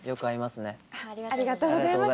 ありがとうございます